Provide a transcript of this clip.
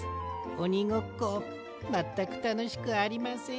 おにごっこまったくたのしくありません。